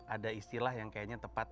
ada istilah yang kayaknya tepat